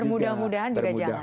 bermudah mudahan juga jangan